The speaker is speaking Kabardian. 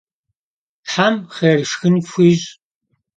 Them xhêr şşxın fxuiş'!